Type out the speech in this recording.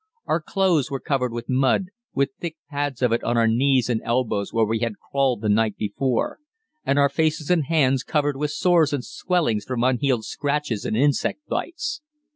Our clothes were covered with mud, with thick pads of it on our knees and elbows where we had crawled the night before, and our faces and hands covered with sores and swellings from unhealed scratches and insect bites.